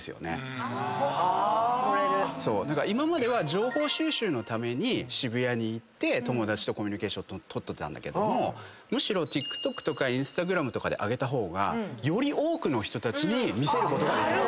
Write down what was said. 今までは情報収集のために渋谷に行って友達とコミュニケーション取ってたけどむしろＴｉｋＴｏｋとかＩｎｓｔａｇｒａｍとかで上げた方がより多くの人たちに見せることができる。